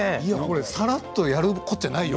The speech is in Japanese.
さらっとやることじゃないよ。